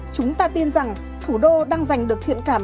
chúng ta tin rằng thủ đô đang giành được thiện cảm